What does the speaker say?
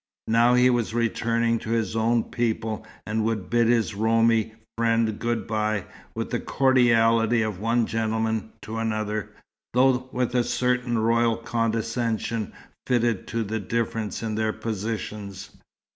Now he was returning to his own people, and would bid his Roumi friend good bye with the cordiality of one gentleman to another, though with a certain royal condescension fitted to the difference in their positions.